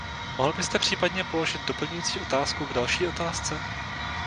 Mohl byste případně položit doplňující otázku k další otázce?